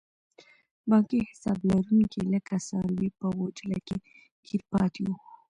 بانکي حساب لرونکي لکه څاروي په غوچله کې ګیر پاتې وو.